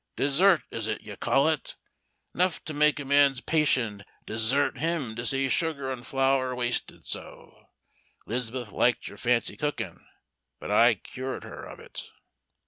"Dessert is it, you call it? 'Nuff to make a man's patience desert him to see sugar and flour wasted so. 'Liz'beth liked your fancy cooking, but I cured her of it."